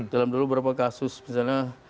dalam dulu beberapa kasus misalnya